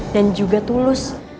dan juga tulus